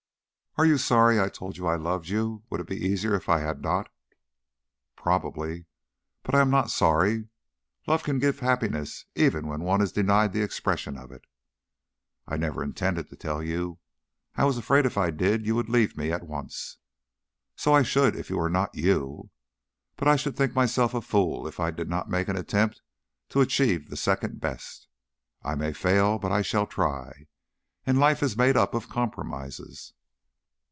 "Are you sorry I told you I loved you? Would it be easier if I had not?" "Probably. But I am not sorry! Love can give happiness even when one is denied the expression of it." "I never intended to tell you. I was afraid if I did you would leave me at once." "So I should if you were not you. But I should think myself a fool if I did not make an attempt to achieve the second best. I may fail, but I shall try. And life is made up of compromises."